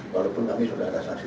walaupun kami sudah ada saksi